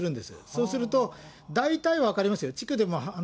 そうすると、大体は分かりますよ。